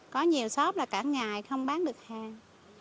có nhiều shop là cả ngày không bán được hàng